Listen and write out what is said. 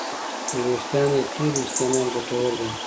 د وېښتیانو تېلو استعمال ګټور دی.